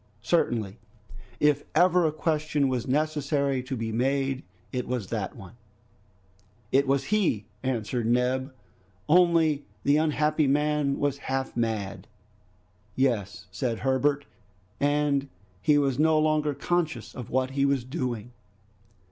Certainly, if ever a question was necessary to be made, it was that one! "It was he," answered Neb, "only the unhappy man was half mad." "Yes!" said Herbert, "and he was no longer conscious of what he was doing."